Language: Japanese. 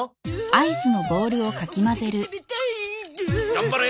頑張れ！